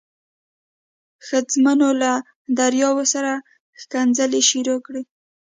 ښځمنو له دریاو سره ښکنځلې شروع کړې.